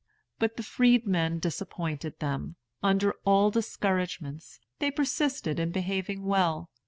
But the freedmen disappointed them. Under all discouragements, they persisted in behaving well.